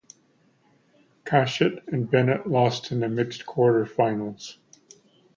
Cochet and Bennett lost in the mixed quarterfinals.